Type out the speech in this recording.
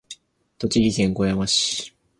栃木県小山市